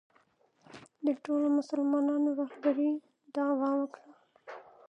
د ټولو مسلمانانو رهبرۍ دعوا وکړه